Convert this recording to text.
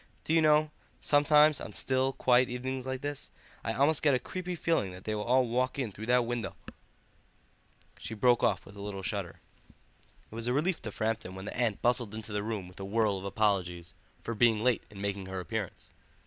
Do you know, sometimes on still, quiet evenings like this, I almost get a creepy feeling that they will all walk in through that window—" She broke off with a little shudder. It was a relief to Framton when the aunt bustled into the room with a whirl of apologies for being late in making her appearance.